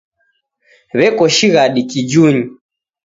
W'eko shighadi kijunyi.